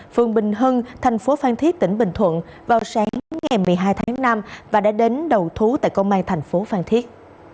phường bình hưng tp phan thiết tỉnh bình thuận vào sáng ngày một mươi hai tháng năm và đã đến đầu thú tại công an tp phan thiết